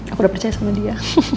aku udah percaya sama dia